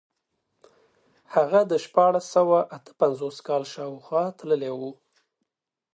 هغه د شپاړس سوه اته پنځوس کال شاوخوا تللی و.